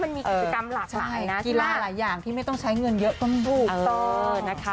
มันมีกิจกรรมหลากหลายนะกีฬาหลายอย่างที่ไม่ต้องใช้เงินเยอะก็ถูกต้องนะคะ